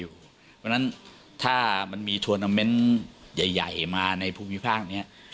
เพราะฉะนั้นถ้ามันมีทวนาเมนต์ใหญ่มาในภูมิภาคนี้